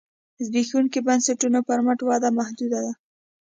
زبېښونکو بنسټونو پر مټ وده محدوده ده.